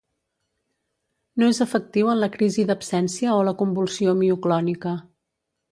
No és efectiu en la crisi d'absència o la convulsió mioclònica.